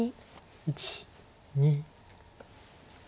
１２。